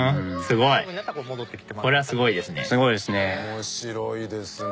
面白いですね。